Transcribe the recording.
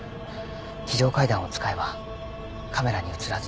非常階段を使えばカメラに映らずに会える。